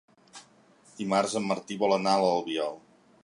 Dimarts en Martí vol anar a l'Albiol.